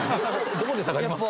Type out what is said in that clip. どこで下がりました？